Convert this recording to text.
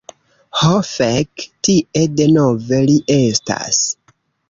Ho fek. Tie denove li estas.